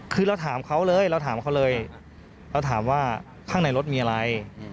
คือเราถามเขาเลยเราถามเขาเลยเราถามว่าข้างในรถมีอะไร